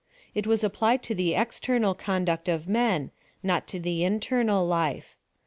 It was applied to the external conduct of men, not to the internal life.